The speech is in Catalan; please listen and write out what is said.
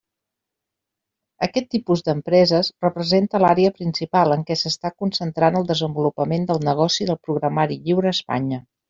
Aquest tipus d'empreses representa l'àrea principal en què s'està concentrant el desenvolupament del negoci del programari lliure a Espanya.